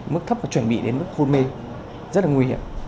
mức thấp và chuẩn bị đến mức khôn mê rất là nguy hiểm